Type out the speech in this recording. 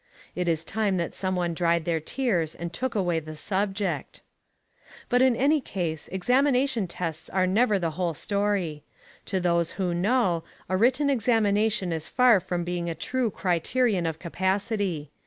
It is time that some one dried their tears and took away the subject. But, in any case, examination tests are never the whole story. To those who know, a written examination is far from being a true criterion of capacity.